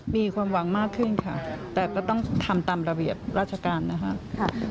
มีความหวังมากขึ้นค่ะแต่ก็ต้องทำตามระเบียบราชการนะคะ